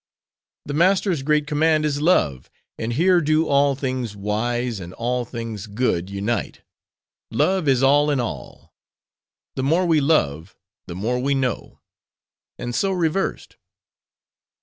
The Master's great command is Love; and here do all things wise, and all things good, unite. Love is all in all. The more we love, the more we know; and so reversed.